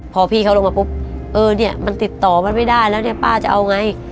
พอพี่เขาลงมาปุ๊บเออเนี่ยมันติดต่อมันไม่ได้แล้วเนี่ยป้าจะเอาไง